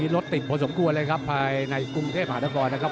รถติดประสงค์กว่าเลยครับภายในกรุงเทพฯหัวถ้ากรนะครับ